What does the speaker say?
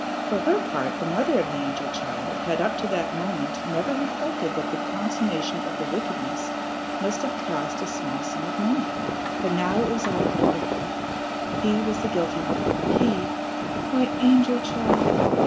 For her part, the mother of the angel child had up to that moment never reflected that the consummation of the wickedness must have cost a small sum of money. But now it was all clear to her. He was the guilty one he! "My angel child!"